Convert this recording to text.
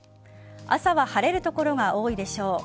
朝は晴れる所が多いでしょう。